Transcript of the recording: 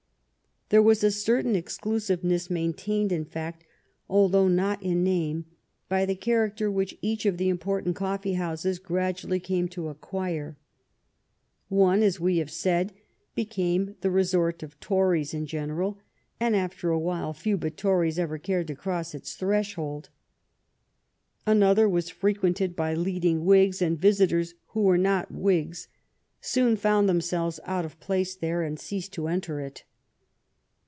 There was a certain exclusiveness maintained, in fact, although not in name, by the character which each of the important coffee houses gradually came to acquire. One, as we have said, became the resort of Tories in general, and after a while few but Tories ever cared to cross its threshold. Another was fre quented by leading Whigs, and visitors who were not Whigs soon found themselves out of place there, and ceased to enter it.